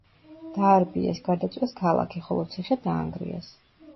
დაარბიეს, გადაწვეს ქალაქი, ხოლო ციხე დაანგრიეს.